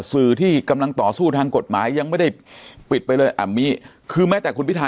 สื่อที่กำลังต่อสู้ทางกฎหมายยังไม่ได้ปิดไปเลยอ่ะมีคือแม้แต่คุณพิทา